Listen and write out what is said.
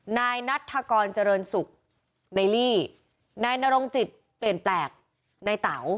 นายนัทธกรเจริญศุกร์ในลี่นายนรงจิตเปลี่ยนแปลกในเต๋า